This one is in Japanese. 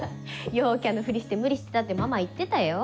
陽キャのフリして無理してたってママ言ってたよ。